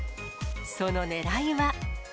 そのねらいは。